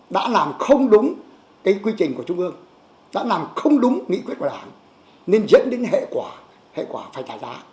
đã làm không đúng cái quy trình của trung ương đã làm không đúng nghị quyết của đảng nên dẫn đến hệ quả hệ quả phải trả giá